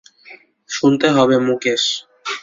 শুনতে হবে মুকেশ।